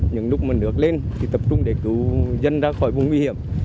những lúc mà nước lên thì tập trung để cứu dân ra khỏi vùng nguy hiểm